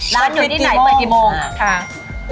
ร้านอยู่ที่ไหนเปิดกี่โมงค่ะ